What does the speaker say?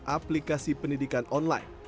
aplikasi pendidikan online